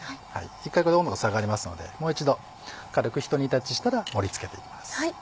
一回温度が下がりますのでもう一度軽く一煮立ちしたら盛り付けていきます。